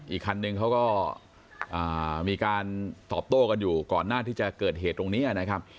อีกคันนึงเขาก็มีการตอบโต้กันอยู่ก่อนหน้าที่จะเกิดเหตุตรงนี้นะครับ